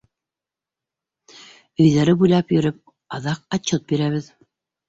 Өйҙәре буйлап йөрөп, аҙаҡ отчет бирәбеҙ.